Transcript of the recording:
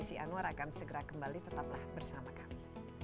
desi anwar akan segera kembali tetaplah bersama kami